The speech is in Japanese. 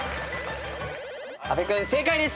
阿部君正解です。